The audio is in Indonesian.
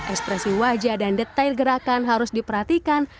ekspresi wajah dan detail gerakan harus diperhatikan